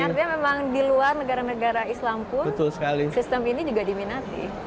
artinya memang di luar negara negara islam pun sistem ini juga diminati